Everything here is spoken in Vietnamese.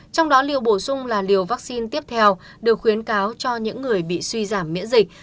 trong đó liều bổ sung là liều vaccine tiếp theo được khuyến cáo cho những người bị suy giảm miễn dịch